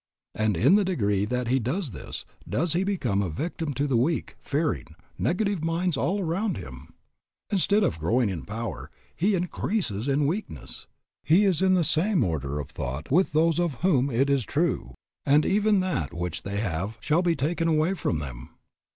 And in the degree that he does this does he become a victim to the weak, fearing, negative minds all around him. Instead of growing in power, he increases in weakness. He is in the same order of thought with those of whom it is true, and even that which they have shall be taken away from them.